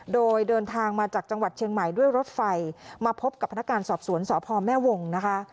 โดยเดินทางมาจากจังหวัดเชียงใหม่ด้วยรถไฟมาพบกับพนักงานสอบสวนสพแม่วงนะคะ